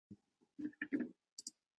Анна дивиться йому в очі.